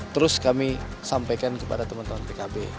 terus kami sampaikan kepada teman teman pkb